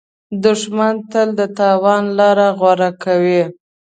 دښمن تل د تاوان لاره غوره کوي